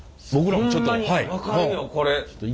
僕らもちょっと。